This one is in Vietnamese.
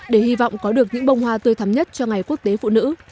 để hy vọng có được những bông hoa tươi thắm nhất cho ngày quốc tế phụ nữ